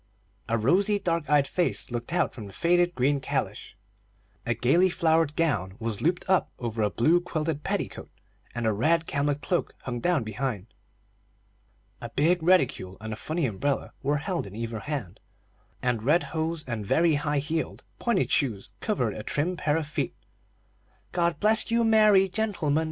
A rosy, dark eyed face looked out from the faded green calash, a gayly flowered gown was looped up over a blue quilted petticoat, and a red camlet cloak hung down behind. A big reticule and a funny umbrella were held in either hand, and red hose and very high heeled, pointed shoes covered a trim pair of feet. "God bless you, merry gentlemen!